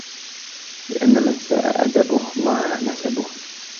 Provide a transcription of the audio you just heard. لِأَنَّ مَنْ سَاءَ أَدَبُهُ ضَاعَ نَسَبُهُ